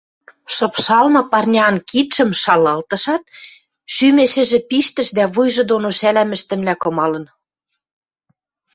Шыпшалмы парняан кидшӹм шалалтышат, шӱмешӹжӹ пиштӹш дӓ вуйжы доно шӓлӓм ӹштӹмӹлӓ кымалын.